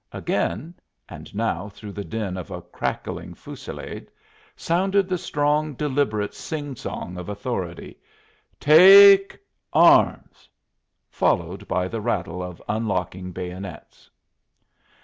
Again and now through the din of a crackling fusillade sounded the strong, deliberate sing song of authority: "Take... arms!" followed by the rattle of unlocking bayonets.